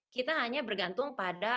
kita hanya bergantung pada